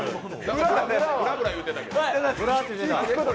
ブラブラ言ってたけど。